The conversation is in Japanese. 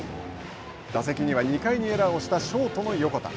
打席には２回にエラーをしたショートの横田。